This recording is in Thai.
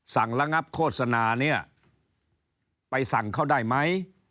ระงับโฆษณาเนี่ยไปสั่งเขาได้ไหม